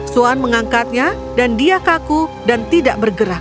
suan mengangkatnya dan dia kaku dan tidak bergerak